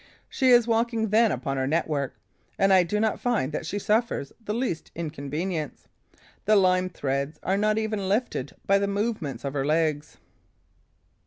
She is walking then upon her network; and I do not find that she suffers the least inconvenience. The lime threads are not even lifted by the movements of her legs.